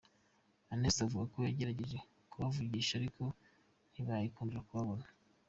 Amnesty ivuga ko yagerageje kubavugisha ariko ntibiyikundire kubabona.